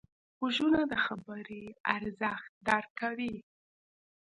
غوږونه د خبرې ارزښت درک کوي